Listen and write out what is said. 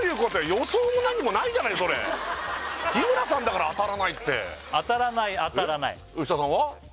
予想も何もないじゃないそれ日村さんだから当たらないって当たらない当たらない設楽さんは？